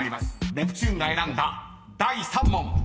ネプチューンが選んだ第３問］